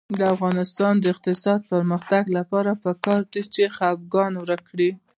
د افغانستان د اقتصادي پرمختګ لپاره پکار ده چې خپګان ورک شي.